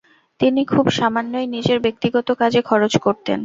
তিনি খুব সামান্যই নিজের ব্যক্তিগত কাজে খরচ করতেন।